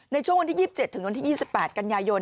ในช่วงวันที่๒๗๒๘กันยายน